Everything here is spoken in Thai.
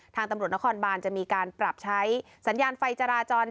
ทางตำรวจนครบานจะมีการปรับใช้สัญญาณไฟจราจร